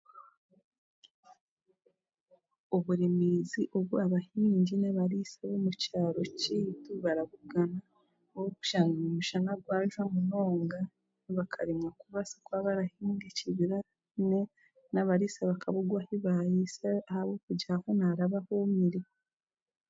Oburemeezi obu abahingi n'abariisa omukyaro kyaitu barabugana n'okushanga omushana gwajwa munonga bakaremwa kubasa kuba barahinga ekibira n'abariisa bakabugwa ahi baariisa ahabwokugira hoona haraba hoomire.